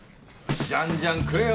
じゃんじゃん食えよ！